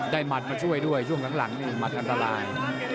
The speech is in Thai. หมัดมาช่วยด้วยช่วงหลังนี่มัดอันตราย